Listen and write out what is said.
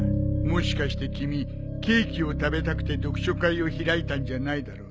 もしかして君ケーキを食べたくて読書会を開いたんじゃないだろうね。